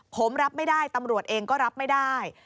ผมรับไม่ได้ตำรวจเองก็รับไม่ได้